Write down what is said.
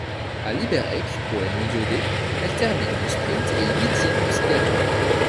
À Liberec, pour les mondiaux des, elle termine du sprint et huitième du skiathlon.